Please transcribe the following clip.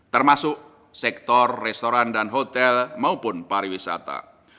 termasuk sektor restoran dan hotel maupun pariwisata